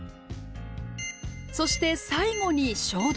そして最後に消毒。